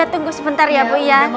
ya tunggu sebentar ya bu